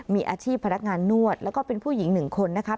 มีอาชีพพนักงานนวดแล้วก็เป็นผู้หญิงหนึ่งคนนะครับ